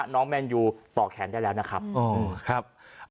แมนยูต่อแขนได้แล้วนะครับ